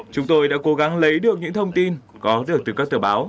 chúng tôi đã cố gắng lấy được những thông tin có được từ các tờ báo